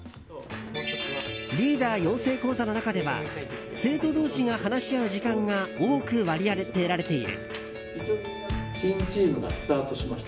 リーダー養成講座の中では生徒同士が話し合う時間が多く割り当てられている。